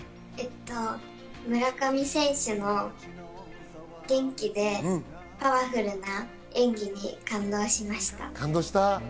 村上選手の元気でパワフルな演技に感動しました。